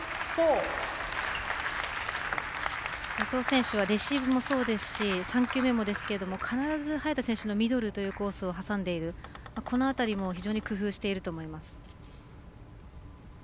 伊藤選手はレシーブもそうですし３球目もですけども必ず早田選手のミドルというコースを挟んでいるこの辺りも非常に工夫していると思います。